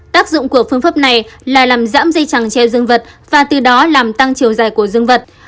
tác dụng của phương pháp này là làm giảm dây chẳng treo dương vật và từ đó làm tăng chiều dài của dương vật